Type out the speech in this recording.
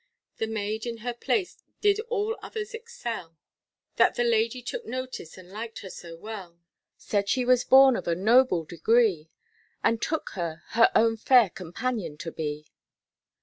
The maid in her place did all others excel, That the lady took notice, and liked her so well; Said she was born of a noble degree, And took her, her own fair companion to be.